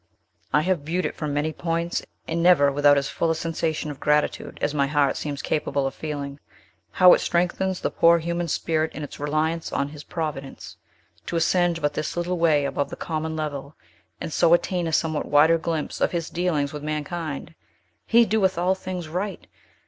"I have viewed it from many points, and never without as full a sensation of gratitude as my heart seems capable of feeling. How it strengthens the poor human spirit in its reliance on His providence, to ascend but this little way above the common level, and so attain a somewhat wider glimpse of His dealings with mankind! He doeth all things right!